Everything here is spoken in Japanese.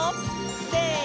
せの！